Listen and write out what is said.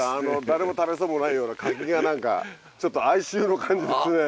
誰も食べそうもないような柿が何かちょっと哀愁の感じですね。